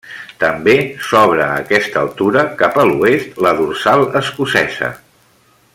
També s'obre a aquesta altura, cap a l'oest, la dorsal escocesa.